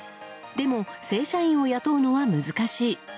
でも、正社員を雇うのは難しい。